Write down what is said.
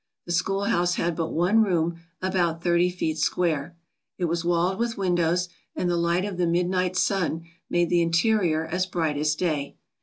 The school house had but one room about thirty feet square. 'It was walled with windows, and the light of the midnight sun made the interior as bright as day.